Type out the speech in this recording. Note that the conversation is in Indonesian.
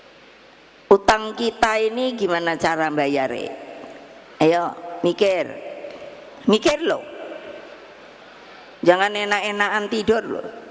hai putaran kita ini gimana cara bayar re ayo mikir mikir lo jangan enak enakan tidur